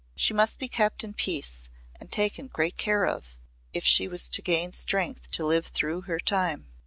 She must be kept in peace and taken great care of if she was to gain strength to live through her time.